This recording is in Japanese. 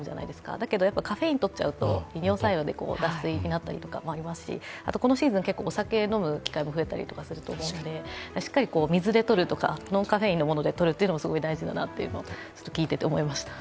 だけど、カフェイィンをとっちゃうと利尿作用で脱水になっちゃいますし、このシーズン、結構お酒を飲む機会とかも増えたりすると思うのでしっかり水でとる、ノンカフェインのものでとるのが大事だなと聞いてて思いました。